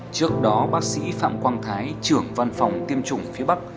trước đó bác sĩ phạm quang thái trưởng văn phòng tiêm chủng phía bắc